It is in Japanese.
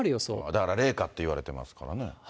だから冷夏っていわれてますからね。